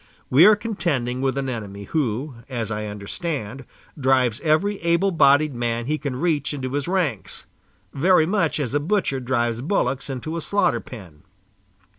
We are contending with an enemy who, as I understand, drives every able bodied man he can reach into his ranks, very much as a butcher drives bullocks into a slaughter pen.